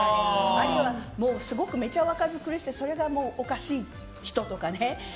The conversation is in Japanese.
あるいは、すごくめちゃ若作りしててそれがおかしい人とかね。